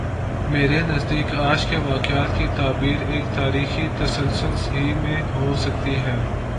میرے نزدیک آج کے واقعات کی تعبیر ایک تاریخی تسلسل ہی میں ہو سکتی ہے۔